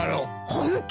ホント！？